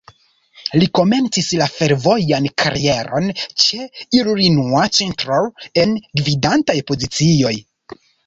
Li komencis la fervojan karieron ĉe "Illinois Central", en gvidantaj pozicioj.